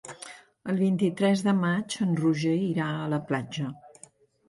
El vint-i-tres de maig en Roger irà a la platja.